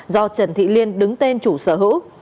do trần thị liên đứng tên chủ sở hữu